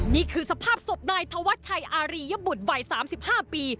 นี่คือสภาพศพนายธวัชชัยอารียบุตรวัย๓๕ปี